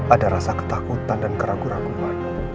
ada rasa ketakutan dan keraguan keraguan